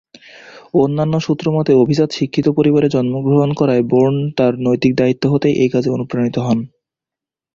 অন্যান্য সূত্রমতে অভিজাত শিক্ষিত পরিবারে জন্মগ্রহণ করায় বোর্ন তার নৈতিক দায়িত্ব হতেই এ কাজে অনুপ্রাণিত হন।